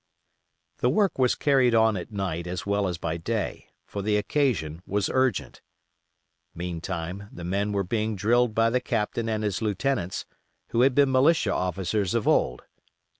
The work was carried on at night as well as by day, for the occasion was urgent. Meantime the men were being drilled by the Captain and his lieutenants, who had been militia officers of old.